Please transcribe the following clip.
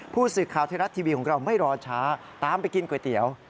ผู้สื่อข่าวไทยรัฐทีวีของเราไม่รอช้าตามไปกินก๋วยเตี๋ยว